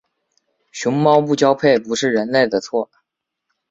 熊猫不交配不是人类的错。